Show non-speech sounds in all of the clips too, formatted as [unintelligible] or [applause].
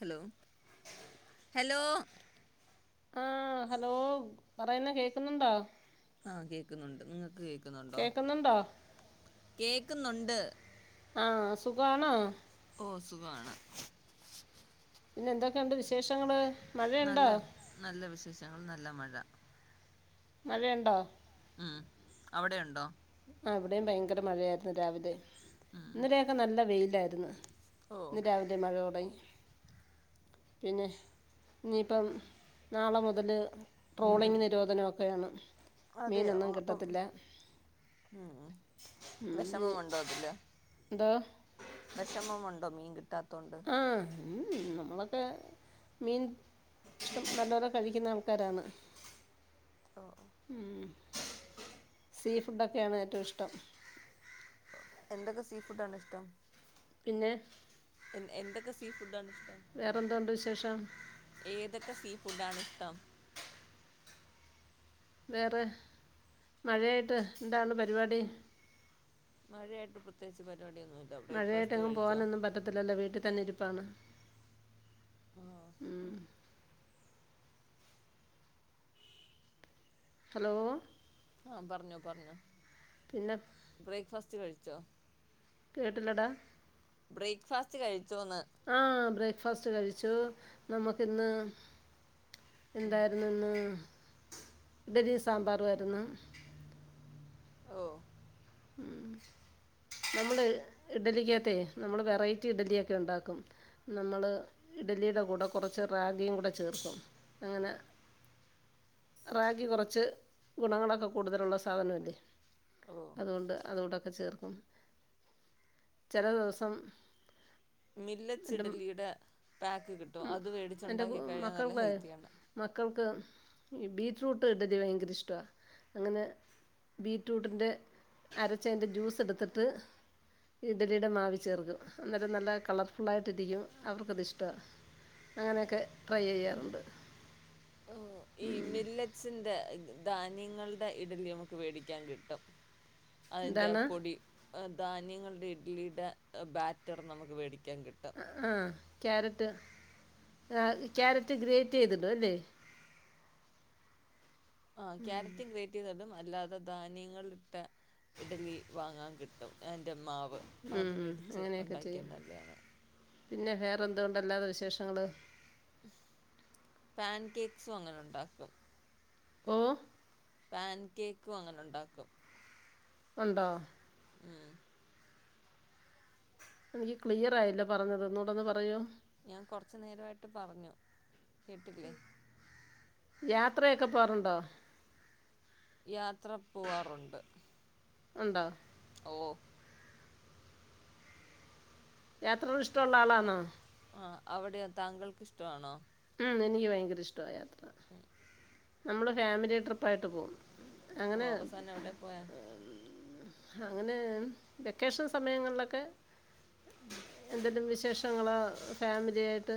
Hello hello ആ hello പറയുന്ന കേക്കുന്നുണ്ടോ ആഹ് കേക്കുന്നുണ്ട് നിങ്ങൾക്ക് കേക്ക ന്നുണ്ടോ കേക്കുന്നുണ്ടോ കേ കേക്കുന്നുണ്ട് ആഹ സുഖണോ ഓ സുഖാണ് പിന്നെ എന്തൊക്കെയുണ്ട് വിശേഷങ്ങള് മഴയുണ്ടോ നല്ല നല്ല വിശേഷങ്ങൾ നല്ല മഴ [unintelligible] മഴയുണ്ടോ ഉം അവിടെ ഉണ്ടോ ആ ഇവിടെയും ഭയങ്കര മഴയായിരുന്നു രാവിലെ ഉം ഇന്നലെയൊക്കെ നല്ല വെയിൽ ലായിരുന്നു ഓ ഇന്ന് രാവിലെ മഴ തുടങ്ങി പിന്നെ ഇനിയിപ്പം നാളെ മുതൽ ട്രോളിംഗ് നിരോധനമൊക്കെയാണ് അതെയോ മീനൊന്നും അപ്പം കിട്ടത്തില്ല ഉം ഉം വിഷമമുണ്ടോ അതില് എന്തോ [unintelligible] വിഷമം ഉണ്ടോ മീൻ കിട്ടാ ത്തോണ്ട് ആ ഉം നമ്മളൊക്കെ മീൻ നല്ലോരം കഴിക്കുന്ന ആൾക്കാരാണ് ഓ ഓ. ഉം സീ ഫുഡൊക്കെയാണ് ഏറ്റവും ഇഷ്ടം എന്തൊക്കെ സീ ഫുഡ് ആണ് ഇഷ്ടം പിന്നെ എന്തൊക്കെ സീ ഫുഡ് ആണ് ഇഷ്ടം വേറെ എന്തുണ്ട് വിശേഷം ത്ത [unintelligible] വേറെ മഴയായിട്ട് എന്താണ് പരിപാടി മഴയായിട്ട് പ്രത്യേകിച്ച് പ മഴയായിട്ടെങ്ങും പോകാനൊന്നും പറ്റത്തില്ലല്ലോ വീട്ടിൽ തന്നെ ഇരിപ്പാണ് ആ ഉം ഹലോ ആ പറഞ്ഞോ പറഞ്ഞോ പിന്നെ ഫുഡ് കഴിച്ചോ കേട്ടില്ലടാ ബ്രേക്ക്ഫാസ്റ്റ് കഴി ആ ബ്രേക്ക- ബ്രക്ക്ഫാസ്റ്റ് കഴിച്ചു നമുക്കിന്ന് ഉം. എന്തായിരുന്നു ഇന്ന് ഇഡ്ഢലി മ് സാമ്പാറും ആയിരുന്നു ഓ നമ്മള് ഇഡലിക്കത്തേ നമ്മൾ വെറൈറ്റി ഇഡ്ഡലിയൊക്കെ ഉണ്ടാക്കും നമ്മൾ ഇഡലിയുടെ കൂടെ കുറച്ച് റാഗിയുംകൂടേ ചേർക്കും അങ്ങനെ റാഗി കുറച്ച് ഗുണങ്ങളൊക്കെ കൂടുതലുള്ള സാധനമല്ലേ ഓ അതുകൊണ്ട് അതോടൊക്കെ ചേർക്കും ചില ദിവസം- മില്ലറ്റ് എൻ്റെ ഇഡലിയുടെ പാക്ക് കിട്ടും അത് എൻ്റെ വേടിച്ചുണ്ടാക്കി കഴിഞ്ഞാൽ നല്ല മക്കൾക്ക് ഹെൽത്തിയാണ് മക്കൾക്ക് ബീറ്റ്റൂട്ട് ഇടലി ഭയങ്കര ഇഷ്ടവാ അങ്ങനെ ബീറ്ററൂട്ടിന്റെ- അരചച്ച് അതിന്റ ജ്യൂസ് എടുത്തിട്ട് ഇഡ്ലിയുടെ മാവി ചേർക്കും അന്നേരം നല്ല കളർഫുുള്ളായിട്ട് ഇരിക്കും അവർക്കത് ഇഷ്ടമാണ് അങ്ങനെയൊക്കെ ട്രൈ ചെയ്യാറുണ്ട് ഓ ഈ മില്ലറ്റ്സിന്റെ ധാന്യങ്ങളുടെ ഇഡലി നമുക്ക് മേടിക്കാൻ കിട്ടും അതിന്റെ എന്താണ് പൊടി ധാന്യങ്ങളുടെ ഇഡ്ലിയുടെ ബാറ്റർ നമുക്ക് മേടിക്കും ആ കാരറ്റ് ക്യാരറ്റ് ഗ്രേറ്റ് ചെയ്ത് ഇടും അല്ലേ ആ ക്യാരറ്റ് ഗ്രേറ്റ്‌ ചെയ്ത് ഇടും അല്ലാതെ ധാന്യങ്ങട്ട് ഇഡലി വാങ്ങാം കിട്ടും തോ എൻ മാവ് അത് മേടിച്ച് അങ്ങനെയൊക്കെ ഉണ്ടാക്കിയ ചെയ്യും നല്ലതാണ് പിന്നെ വേറെ എന്തുണ്ട് അല്ലാതെ വിശേഷങ്ങൾ പാൻ കേക്സും അങ്ങനെ ഉണ്ടാക്കും ഓഹ് പാൻ കേക്കും അങ്ങനെ ഉണ്ടാക്കും ഉണ്ടോ ഉം എനിക്ക് ക്ലിയർ ആയില്ലാ പറഞ്ഞത് ഒന്നുകൂടൊന്ന് പറയോ? ഞാൻ കൊറച്ചു നേരമായിട്ട് പറഞ്ഞു. കേട്ടില്ലേ യാത്രയൊക്കെ പോകാറുണ്ടോ? യാത്ര പോവാറുണ്ട് ഉണ്ടോ ഓഹ് യാത്രകൾ ഇഷ്ടമുള്ള ആളാണോ? അവിടെയ താങ്കൾക്ക് ഇഷ്ടണോ? എനിക്ക് ഭയങ്കര ഇഷ്ടമാ യാത്ര ഉം നമ്മള് ഫാമിലി ട്രിപ്പ് ആയിട്ട് പോകും അങ്ങനെ വാപ്പസന്നെ എവിടെ പോയ അങ്ങനെ വെക്കേഷൻ സമയങ്ങളിലൊക്കെ ഉം. എന്തേലും വിശേ -ശേഷങ്ങള് ഫാമിലിയായിട്ട്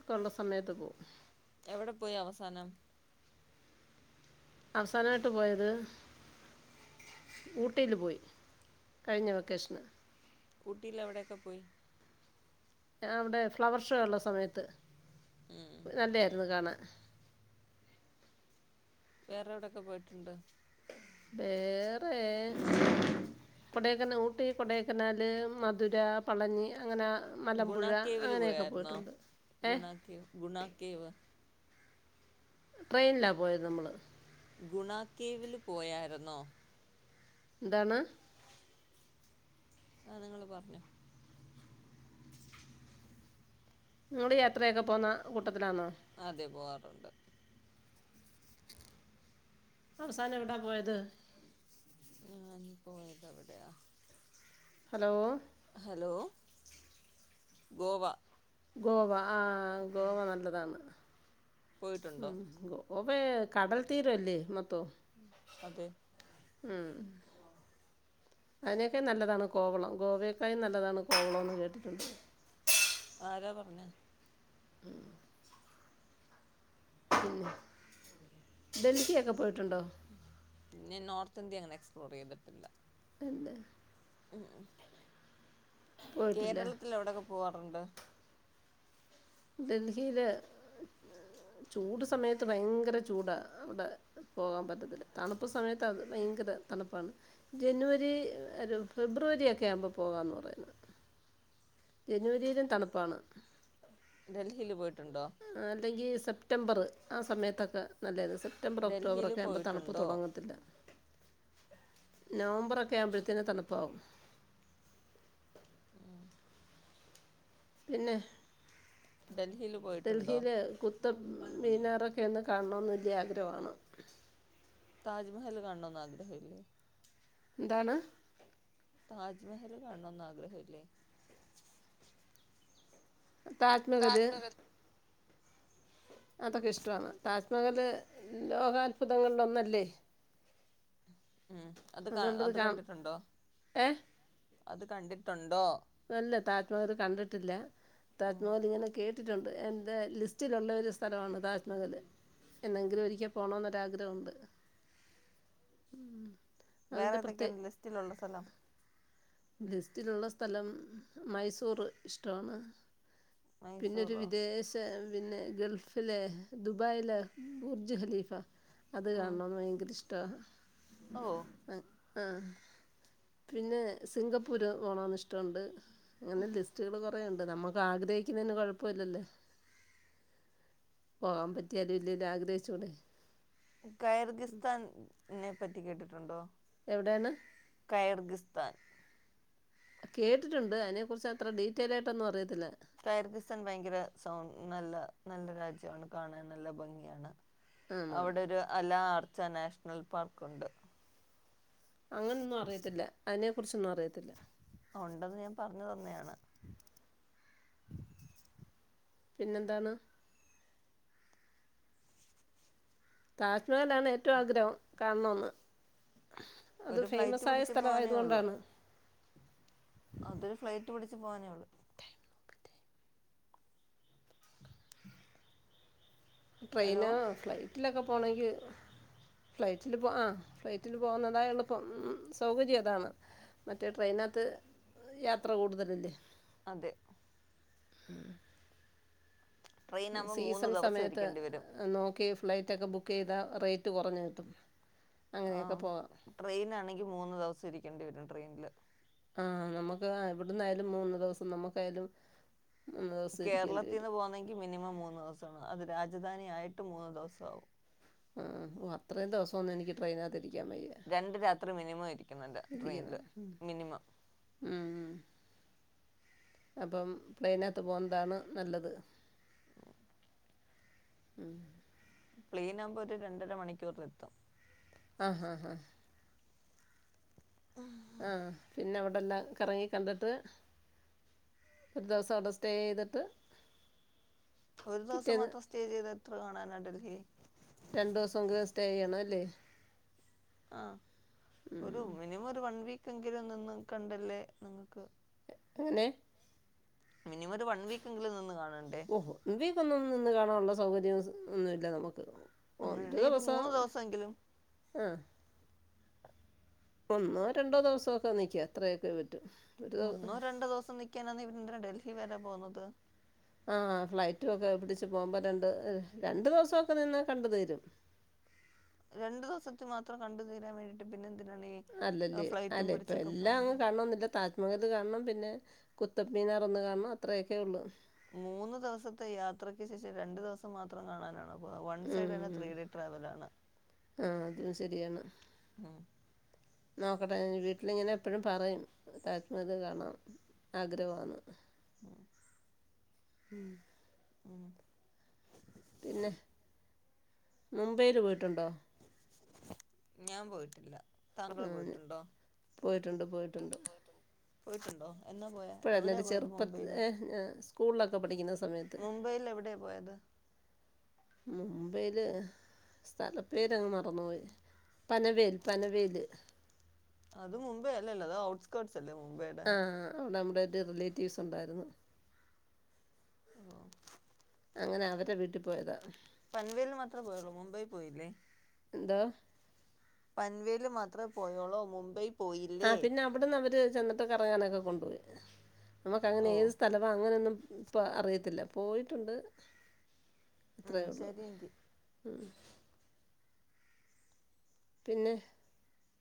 ഒക്കെ സ മയത്ത് പോവും എവിടെ പോയി അവസാനം അവസാനമായിട്ട് പോയത് ഊട്ടിയില് പോയി കഴിഞ്ഞ വെക്കേഷന് ഊട്ടിയിൽ എവിടെയൊക്കെ പോയി അവിടെ ഫ്ലവർഷോ ഉള്ള സമയത്ത് ഉം. നല്ലെയായിരുന്നു കാണാൻ വേറെ എവിടൊക്കെ പോയിട്ടുണ്ട് വേറെ കൊടക്കന ഊട്ടി, കൊടക്കനാല്, മധുര, പളനി അങ്ങനെ മലമ്പുഴ ഗുണാക്കേവില് അങ്ങനെയൊക്കെ പോയാരുന്നോ പോയിട്ടുണ്ട് ഏ ഗുണാക്കേവ് ഗുണാക്കേവ് ട്രെയിനിലാ പോയത് നമ്മള് ഗുണാകേവില് പോയാരുന്നോ എന്താണ് ആ നിങ്ങള് പറഞ്ഞോ നിങ്ങള് യാത്രയൊക്കെ പോന്ന കൂ അതെ പോവാ അവസാനം എവിടാ പോയത് ഞാൻ പോയതെവിടെയാ ഹലോ ഹലോ ഗോവ ഗോവ ആ ഉം ഗോവ നല്ലതാണ് ഉം പോയിട്ടുണ്ടോ ഗോ ഗോവേ കടൽത്തീരം അല്ലേ മൊത്തം അതെ ഉം അതിനേക്കാൾ നല്ലതാണ് കോവളം ഗോവൊക്കാലും നല്ലതാണ് കോവളം എന്ന് കേട്ടിട്ടുണ്ട് ആരാ പറഞ്ഞെ ഉം ഉം ഡൽഹിയൊക്ക പോയിട്ടുണ്ടോ ത്തിന്ത്യ അങ്ങനെ എക്സ്പ്ലോർ ചെയ്തിട്ടില്ല ഇല്ല ഉം ഉം പോയിട്ടില്ല കേരളത്തിൽ എവിടൊക്കെ പോവാറു ണ്ട് ഡൽഹിയില് ചൂട് സമയത്ത് ഭയങ്കര ചൂടാണ് അവിടെ പോകാൻ പറ്റത്തില്ല തണുപ്പ് സമയത്ത് അത് ഭയങ്കര തണുപ്പാണ് ജനുവരി ഒരു ഫെബ്രുവരി ഒക്കെ ആവുമ്പോ പോകാന്ന് പറയുന്നത് ജനുവരിയിലും തണുപ്പാണ് ഡൽഹില് പോയിട്ടു അല്ലെങ്കിൽ സെ -പ്ടെമ്പറ് ആ സമയത്തൊക്കെ നല്ല രസമാണ് സെപ്റ്റംബർ ഒക്ടോബറ ഡൽഹിയില് ഒക്കെ ആവുമ്പോൾ തണുപ്പ് പോയിട്ടുണ്ടോ തുടങ്ങത്തില്ല നവംബർ ഒക്കെ ആവുമ്പഴത്തേന തണുപ്പാകും [inaudible] പിന്നെ ഡൽഹീൽ പോയിട്ടുണ്ടോ ഡൽഹിയിൽ കുത്തബ് മിനാറൊക്കെ ഒന്ന് കാണണോന്ന് വല്യ ആഗ്രഹമണ് താജ്മഹൽ കാണണോന്ന് ആഗ്രഹേല്ലേ എന്താണ് താജ്മഹൽ കാണണോന്ന് ആഗ്രഹല്ലേ താജ്‌മഹല് അതൊക്കെ ഇഷ്ടമാണ്. താജ്മഹൽ ലോകത്ഭുതങ്ങളിൽ ഒന്നല്ലേ ഉം അത് കണ്ടിട്ടുണ്ടോ ഏ അത് കണ്ടിട്ടുണ്ടോ താജ്മഹൽ കണ്ടിട്ടില്ല ഉം തജ്‌മഹലിങ്ങനെ കേറി എന്റെ ലിസ്റ്റിലുള്ള ഒരു സ്ഥലമാണ് താജ്മഹൽ. എന്നെങ്കിലും ഒരിക്കൽ പോണോന്നൊരാഗ്രഹമുണ്ട് വെറുതൊക്കെയാണ് ലിസ്റ്റിലുള്ള സ്ഥലം ലിസ്റ്റിലുള്ള സ്ഥലം മൈസൂർ ഇഷ്ട്ടമാണ് പിന്നൊരു മൈസൂറോ വിദേശ പിന്നെ ഗൾഫിലെ ദുബായിലെ ബുർജ് ഖലീഫ അത് ഉം കാണണോന്ന് ഭയങ്കര ഇഷ്ടാ ഓ ആ പിന്നെ സിങ്കപ്പൂർ പോണോന്ന് ഇഷ്ട്ടോണ്ട്. അങ്ങനെ ലിസ്റ്റുകൾ കുറെയുണ്ട്. നമ്മക് ആഗ്രഹിക്കുന്നെന് കൊയപ്പേല്ലലോ. പോകാൻ പറ്റിയാലും ഇല്ലേലും ആഗ്രഹിച്ചൂടെ [unintelligible] നെ പ്പറ്റി കേട്ടിട്ടുണ്ടോ എവിടെയാണ് [unintelligible] കേട്ടിട്ടുണ്ട്. അതിനെക്കുറിച്ചത്ര ഡീറ്റൈൽ ആയിട്ടൊന്നും അറി [unintelligible] നല്ല രാജ്യമാണ് കാണാൻ നല്ല ഭംഗിയാണ് ആണോ അവിടൊരു അലാ നാഷണൽ പാർക്കുണ്ട് അങ്ങനൊന്നും അറിയത്തില്ല അതിനെക്കുറിച്ചൊന്നും അറിയത്തില്ല ഉണ്ടെന്ന് ഞാൻ പറഞ്ഞു തന്നെയാണ് പിന്നെന്താണ് താജ്മഹൽ ആണ് ഏറ്റവും ആഗ്രഹം കാണണോന്ന് അത് ഒരു ഫ്ലൈറ്റ് ഫേമസ് ആയ സ്ഥലായത് കൊണ്ടാണ് അത് ഫ്ലൈറ്റ് പിടിച്ച് പോകാനേ ഉള്ളു ഹലോ ട്രെയിനോ ഫ്ലൈ ഫ്ലൈറ്റിലൊക്കെ പോണോങ്കി ഫ്ലൈറ്റിൽ ആ ഫ്ലൈറ്റിൽ പോകുന്നതാ എളുപ്പം. സൗകര്യം അതാണ്‌. മറ്റേ ട്രെയിനകത്ത് യാത്ര കൂടുതലല്ലേ അതെ [inaudible] ട്രെയിൻ ആകുമ്പോൾ മൂന്ന് സീസൺ ദിവസം സമയത്ത് ഇരിക്കേണ്ടി വരും നോക്കി ഫ്ലൈറ്റ് ഒക്കെ ബുക്ക് ചെയ്താൽ റേറ്റ് കുറഞ്ഞ് കിട്ടും ആ അങ്ങനെയൊക്കെ പോകാം ട്രെയിൻ ആണെങ്കി മൂന്ന് ദിവസം ഇരിക്കേണ്ടി വരും ട്രെയിൻില് ആഹ നമുക്ക് ഇവിടുന്നായാലും മൂന്ന് ദിവസം നമുക്കായാലും മൂന്ന് ദിവസം ഇരിക്കേണ്ടി കേരളത്തിൽന്ന് വരും പോകണെങ്കിൽ മിനിമം മൂന്ന് ദിവസ രാജധാനി ആയിട്ട് മൂന്നു ദിവസം ആവും ആഓ അത്രയും ദിവസം ഒന്ന് എനിക്ക് ട്രെയിനാകതിരിക്കാ രണ്ടു രാത്രി മിനിമം ഇരിക്കുന്നുല്ല ട്രെയിനൽ ഇരിക്കണം മിനിമം ഉം. അപ്പം പ്ലെയിനകത്ത് പോകുന്നതാണ് നല്ലത് ഉം പ്ലെയിൻ ആവുമ്പോ ഒരു രണ്ടര മണിക്കൂറൽെത്തും ആഹ ആഹ ആഹ ആ പിന്നെ അവിടെ എല്ലാം കറങ്ങി കണ്ടിട്ട് ഒരു ദിവസം അവിടെ സ്റ്റേ ചെയ്തിട്ട് ഒരു ദിവസം പിറ്റേന്ന് മാത്രം സ്റ്റേ ചെയ്ത് എത്ര കാണാനായിണ്ട [unintelligible] രണ്ടു ദിവസം എങ്കിലും സ്റ്റേ ചെയ്യണം അല്ലേ ആ ഒരു മിനിമം ഒരു വൺ വീക്ക് എെങ്കിലും ഒന്നും കണ്ടല്ലേ നിങ്ങക്ക് എങ്ങനെ ഒരു വൺ വീക്ക് എങ്കിലും നിന്ന് കാണണ്ടേ ഓഹോ വീക്ക്ക്കൊന്ന [unintelligible] നിന്ന് കാണാനുള്ള സൗകര്യം ഒന്നുമില്ല നമുക്ക് ഒണ്ട അങ്ങനെയാണെങ്കിൽ ഒരു ദിവസം മൂന്ന് ദിവസമെങ്കിലും ആഹ ഒന്നോ രണ്ടോ ദിവസമോ ഒക്കെ നിക്കും അത്രയൊക്കെ പറ്റും ഒരു ഒന്നോ രണ്ടോ ദിവസം നിക്കാന്തിനാ ഡൽഹി വരാ പോവുന്നത് ആഹ ഫ്ലൈറ്റും ഒക്കെ പിടിച്ചു പോകുമ്പോ രണ്ട് രണ്ടു ദിവസംക്കെ നിന്നാ കണ്ട് തീരും രണ്ടു ദിവസത്തി മാത്രം കണ്ടു തീരാൻ വേണ്ടിട്ട് പിന്നെന്ത് അല്ലല്ലേ അല്ലെ ഇപ്പൊ എല്ലാം അങ്ങ് പോകുന്നത് കാണണംന്നില്ല താജ്മഹൽ കാണണം പിന്നെ കുത്തപ് മീനാർ ഒന്ന് കാണണം അത്രയൊക്കെ ഉള്ളു മൂന്ന് ദിവസത്തെ യാത്രക്ക് ശേഷം രണ്ടു ദിവസം മാത്രം കാണാനാണോ വൺ സൈഡ്ന്നെ ഉം ത്രീ ടി ട്രാവൽ ആണ് ആഹ് അതും ശരിയാണ് നോക്കട്ടെ വീട്ടിലിങ്ങനെ എപ്പഴും പറയും താജ്മഹല് കാണാം ആഗ്രഹന്ന് ഉം [inaudible] ഉം ഉം പിന്നെ മുംബൈൽ പോയിട്ടുണ്ടോ ഞാൻ പോയിട്ടില്ല താങ്കൾ ആ പോയിട്ടുണ്ടോ പോയിട്ടുണ്ട് പോയിട്ടുണ്ട് പോയിട്ടുണ്ടോ എന്നാ പോയ എവിടെയാ ഇപ്പോഴല്ലാറെ പോയത് ചെറുപ്പത്തി മുംബൈയില് ഏഹ് സ്കൂളിലൊക്കെ പഠിക്കുന്ന സമയത്ത് മുംബൈയിൽ എവിടെയാ പോയത് മുംബൈയില് സ്ഥല പേരങ്ങ് മറന്നുപോയി പനവേൽ പനവേല് അത് മുമ്പേ അല്ലല്ലത് ഔട്ടസ്കർസ് ല്ല മുബെയ്ടെ തൊ അവിടൊരു റിലേറ്റീവ്സുണ്ടായിരുന്നു [unintelligible] അങ്ങനെ അവരെ വീട്ടിൽ പോയതാ പൻവേൽ മാത്രേ പോയുള്ളൂ മുംബൈ പോയില് എന്തൊ? പൻവേൽ മാത്രമേ പോയോള്ളൂ മുംബൈ ആഹ പോയില്ലേ പിന്നെ അവിടുന്നവര് ചെന്നിട്ട് കറ അങ്ങനെ ഒക്കെ കൊണ്ട് പോയി നമുക്ക് അങ്ങനെ ഓ ഏത് സ്ഥലമ അങനെ ഒന്നും ഇപ്പ അറിയത്തില്ല പോയിട് ട്ടോണ്ട് ആഹ് ശെരിയെങ്കി ഉം [unintelligible] പിന്നെ?